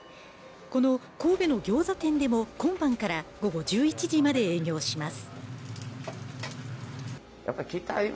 この神戸のギョーザ店でも今晩から午後１１時まで営業します